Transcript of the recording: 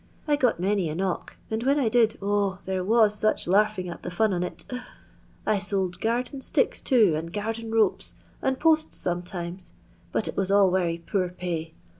I got many a knock, and when I did, oh 1 there vat such larfing at the fun on it I sold garden sticks too, and garden ropes, and posts sometimes ; but it was all wery poor pay.